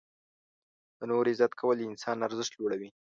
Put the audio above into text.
• د نورو عزت کول د انسان ارزښت لوړوي.